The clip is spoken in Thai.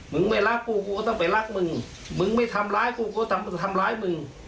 มึงไม่รักกูกูก็ต้องไปรักมึงมึงไม่ทำร้ายกูก็ต้องทำร้ายมึง